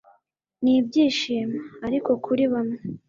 n'ibyishimo. Ariko kuri bamwe